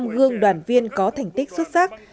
tám mươi năm gương đoàn viên có thành tích xuất sắc